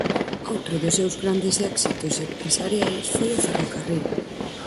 Outro dos seus grandes éxitos empresariais foi o ferrocarril.